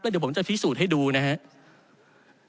เดี๋ยวผมจะพิสูจน์ให้ดูนะครับ